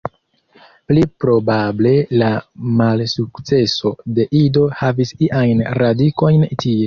Pli probable la malsukceso de Ido havis iajn radikojn tie.